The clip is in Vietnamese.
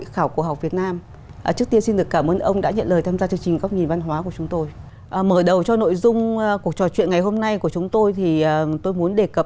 không có cách nào cả